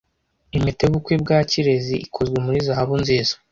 Impeta yubukwe bwa Kirezi ikozwe muri zahabu nziza.